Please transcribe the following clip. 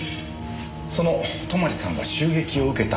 その泊さんが襲撃を受けた。